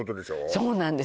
そうなんです